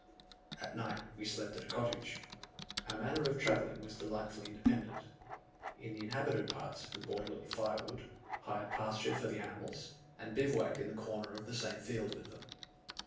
At night we slept at a cottage. Our manner of travelling was delightfully independent. In the inhabited parts we bought a little firewood, hired pasture for the animals, and bivouacked in the corner of the same field with them.